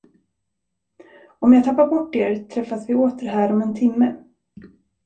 Om jag tappar bort er, träffas vi åter här om en timme.